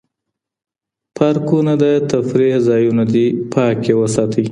پارکونه د تفریح ځایونه دي پاک یې وساتئ.